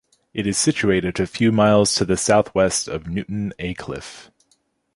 It is situated a few miles to the south-west of Newton Aycliffe.